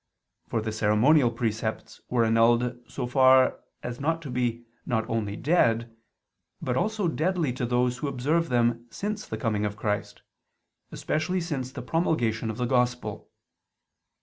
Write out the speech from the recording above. For the ceremonial precepts were annulled so far as to be not only "dead," but also deadly to those who observe them since the coming of Christ, especially since the promulgation of the Gospel.